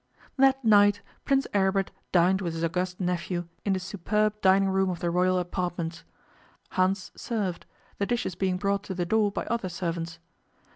That night Prince Aribert dined with his august nephew in the superb dining room of the Royal apartments. Hans served, the dishes being brought to the door by other servants.